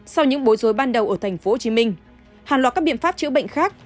sau những bối rối ban đầu ở tp hcm hàng loạt các biện pháp chữa bệnh khác